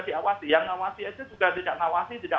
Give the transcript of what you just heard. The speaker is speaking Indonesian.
diawasi yang ngawasi itu juga tidak